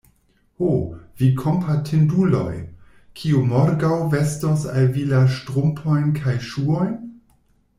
Ho, vi kompatinduloj! kiu morgaŭ vestos al vi la ŝtrumpojn kaj ŝuojn?